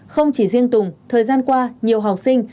không chỉ riêng tùng thời gian qua nhiều học sinh